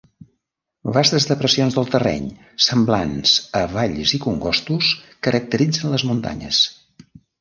Vastes depressions del terreny, semblants a valls i congostos, caracteritzen les muntanyes.